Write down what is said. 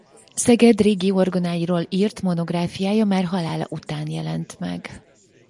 Szeged régi orgonáiról írt monográfiája már halála után jelent meg.